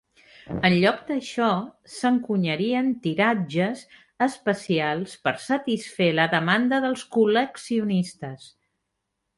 En lloc d'això, s'encunyarien tiratges especials per satisfer la demanda dels col·leccionistes.